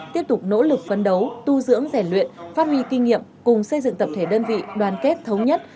tiếp tục nỗ lực phấn đấu tu dưỡng rèn luyện phát huy kinh nghiệm cùng xây dựng tập thể đơn vị đoàn kết thống nhất